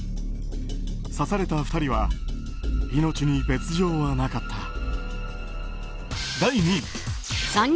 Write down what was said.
刺された２人は命に別条はなかった。